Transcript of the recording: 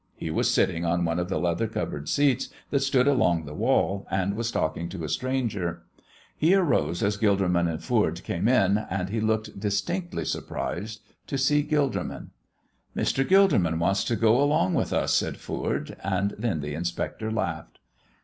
He was sitting on one of the leather covered seats that stood along the wall and was talking to a stranger. He arose as Gilderman and Foord came in, and he looked distinctly surprised to see Gilderman. "Mr. Gilderman wants to go along with us," said Foord, and then the inspector laughed.